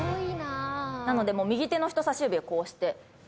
なので右手の人さし指をこうして描くと。